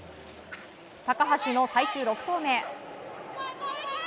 高橋の最終６投目。